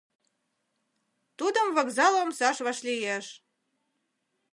Тудым вокзал омсаш вашлиеш.